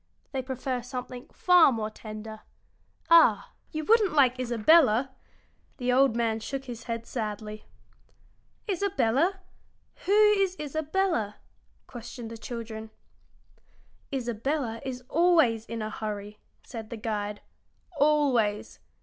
They prefer something far more tender. Ah, you wouldn't like Isabella!" The old man shook his head sadly. "Isabella! Who is Isabella?" questioned the children. "Isabella is always in a hurry," said the guide "always.